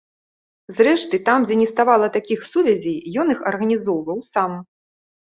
Зрэшты, там, дзе не ставала такіх сувязей, ён іх арганізоўваў сам.